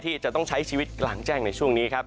ที่จะต้องใช้ชีวิตกลางแจ้งในช่วงนี้ครับ